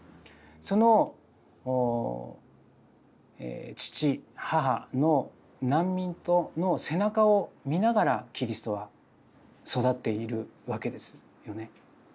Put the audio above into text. その父母の難民の背中を見ながらキリストは育っているわけですよね。